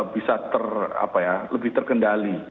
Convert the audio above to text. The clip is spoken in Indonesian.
bisa ter apa ya lebih terkendali